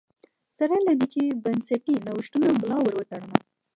سره له دې چې بنسټي نوښتونو ملا ور وتړله